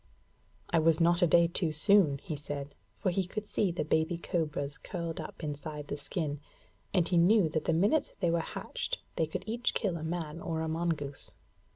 'I was not a day too soon,' he said; for he could see the baby cobras curled up inside the skin, and he knew that the minute they were hatched they could each kill a man or a mongoose.